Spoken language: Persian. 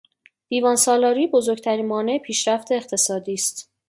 دیوانسالاری بزرگترین مانع پیشرفت اقتصادی است.